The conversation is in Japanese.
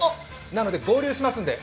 なので、合流しますんで。